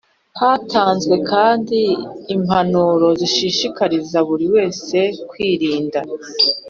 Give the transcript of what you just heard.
Hatanzwe kandi impanuro zishishikariza buri wese kwirinda